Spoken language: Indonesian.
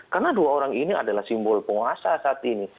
karena dua orang ini adalah simbol penguasa saat ini